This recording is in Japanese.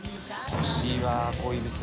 欲しいわこういう店。